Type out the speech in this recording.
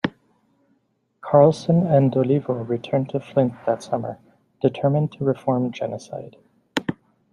Carlson and Olivo returned to Flint that summer, determined to reform Genocide.